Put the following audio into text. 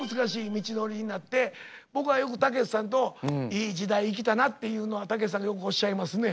僕がよくたけしさんと「いい時代生きたな」っていうのはたけしさんがよくおっしゃいますね。